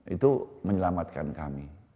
itu menyelamatkan kami